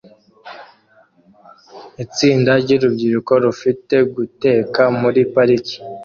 Itsinda ryurubyiruko rufite guteka muri parike